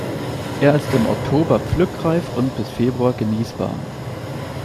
Er ist im Oktober pflückreif und bis Februar genießbar.